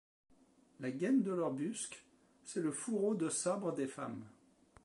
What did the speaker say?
La gaine de leur busc, c'est le fourreau de sabre des femmes.